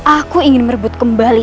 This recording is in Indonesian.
aku ingin merebut kembali